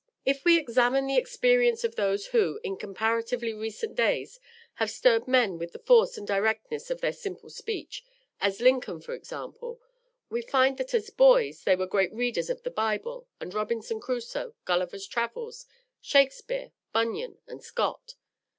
If we examine the experience of those who, in comparatively recent days, have stirred men with the force and directness of their simple speech, as Lincoln, for example, we find that as boys they were great readers of the Bible, and Robinson Crusoe, Gulliver's Travels, Shakespeare, Bunyan, and Scott.